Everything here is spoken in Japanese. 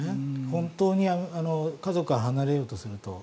本当に家族から離れようとすると。